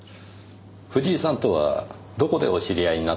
藤井さんとはどこでお知り合いになったのでしょう？